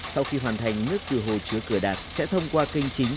sau khi hoàn thành nước từ hồ chứa cửa đạt sẽ thông qua kênh chính